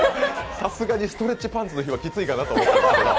さすがにストレッチパンツの日はきついかなと思いましたが。